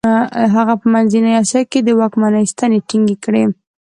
هغه په منځنۍ اسیا کې د واکمنۍ ستنې ټینګې کړې.